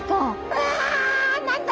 うわ何だ